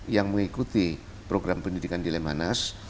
yang mengikuti program pendidikan di lemhanas